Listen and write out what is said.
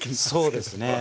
そうですね。